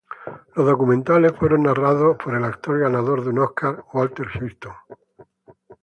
Los documentales fueron narrados por el actor ganador de un Oscar Walter Huston.